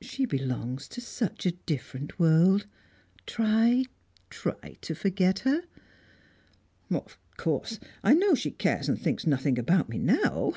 She belongs to such a different world, try, try to forget her." "Of course I know she cares and thinks nothing about me now.